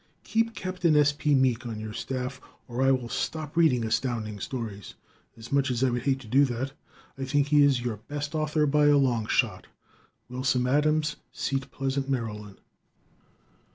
Keep Capt. S. P. Meek on your staff or I will stop reading Astounding Stories, as much as I would hate to do that. I think he is your best author by a long shot. Wilson Adams, Seat Pleasant, Md.